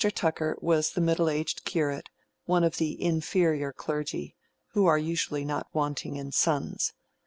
Tucker was the middle aged curate, one of the "inferior clergy," who are usually not wanting in sons.